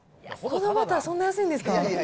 このバター、そんな安いんですか。